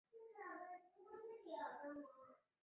埃尔克内尔是德国勃兰登堡州的一个市镇。